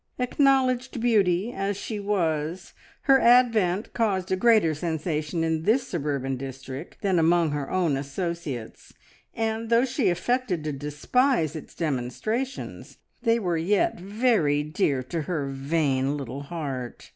Acknowledged beauty as she was, her advent caused a greater sensation in this suburban district than among her own associates, and though she affected to despise its demonstrations, they were yet very dear to her vain little heart.